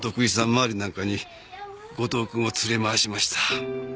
回りなんかに後藤くんを連れ回しました。